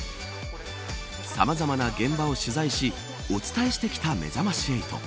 さまざまな現場を取材しお伝えしてきためざまし８。